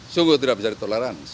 sungguh tidak bisa ditoleransi